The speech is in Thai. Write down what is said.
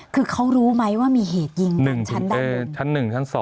มีความรู้สึกว่ามีความรู้สึกว่ามีความรู้สึกว่า